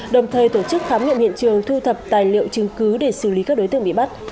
đồng thời tổ chức khám nghiệm hiện trường thu thập tài liệu chứng cứ để xử lý các đối tượng bị bắt